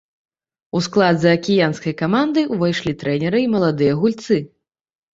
У склад заакіянскай каманды ўвайшлі трэнеры і маладыя гульцы.